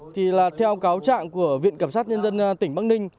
thì là theo cáo trạng của viện cẩm sát nhân dân tỉnh bắc ninh